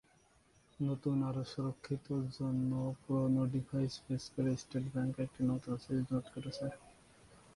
নতুন, আরও সুরক্ষিত জন্য পুরানো ডিজাইন ফেজ করে স্টেট ব্যাংক একটি নতুন সিরিজ নোট শুরু করেছে।